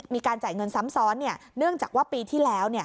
มีการจ่ายเงินซ้ำซ้อนเนื่องจากว่าปีที่แล้ว